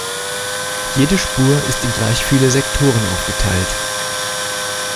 Jede Spur ist in gleich viele Sektoren aufgeteilt.